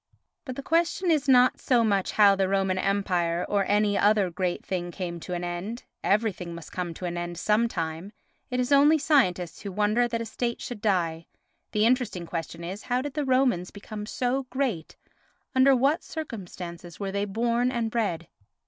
But the question is not so much how the Roman Empire or any other great thing came to an end—everything must come to an end some time, it is only scientists who wonder that a state should die—the interesting question is how did the Romans become so great, under what circumstances were they born and bred?